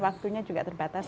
waktunya juga terbatas